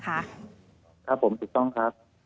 ครับผมถูกต้องครับ